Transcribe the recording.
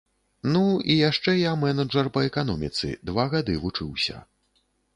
Ну, і яшчэ я мэнэджар па эканоміцы, два гады вучыўся.